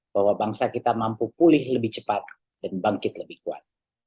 bahwa bangsa kita mampu pulih lebih cepat dan bangkit lebih kuat